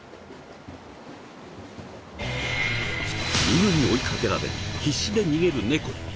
犬に追いかけられ必死で逃げる猫。